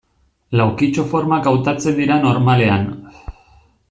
Laukitxo formak hautatzen dira normalean.